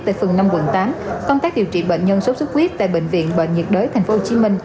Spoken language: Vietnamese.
tại phường năm quận tám công tác điều trị bệnh nhân sốt xuất huyết tại bệnh viện bệnh nhiệt đới tp hcm